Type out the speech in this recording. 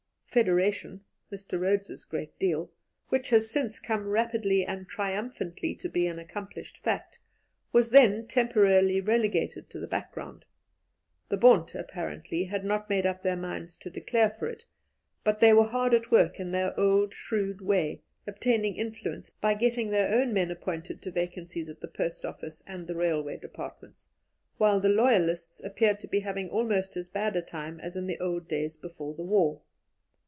Federation Mr. Rhodes's great ideal which has since come rapidly and triumphantly to be an accomplished fact, was then temporarily relegated to the background; the Bond, apparently, had not made up their minds to declare for it, but they were hard at work in their old shrewd way, obtaining influence by getting their own men appointed to vacancies at the post office and in the railway departments, while the Loyalists appeared to be having almost as bad a time as in the old days before the war.